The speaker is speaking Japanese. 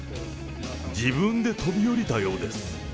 自分で飛び降りたようです。